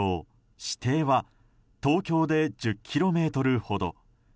視程は東京で１０ｋｍほど。